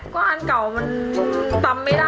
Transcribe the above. ก็อันเก่ามันตำไม่ได้แล้วอะ